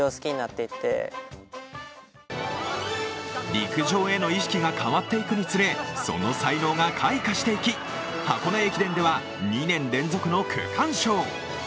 陸上への意識が変わっていくにつれ、その才能が開花していき、箱根駅伝では２年連続の区間賞。